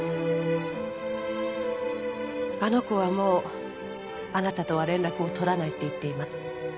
あの子はもうあなたとは連絡を取らないって言っています